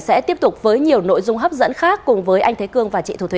chúng ta sẽ tiếp tục với nhiều nội dung hấp dẫn khác cùng với anh thế cương và chị thủ thụy